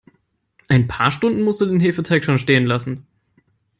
Ein paar Stunden musst du den Hefeteig schon stehen lassen.